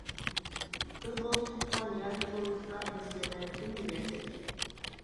بىر بولسا تۇغقان، ياكى بولمىسا بىر جەمەتتىن دېگەندەك.